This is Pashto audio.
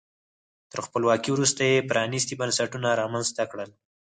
تر خپلواکۍ وروسته یې پرانیستي بنسټونه رامنځته کړل.